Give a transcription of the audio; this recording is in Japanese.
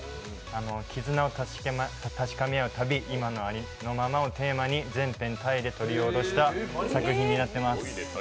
絆を確かめ合う旅、今のありのままをテーマに全編撮りおろしの写真集になっています。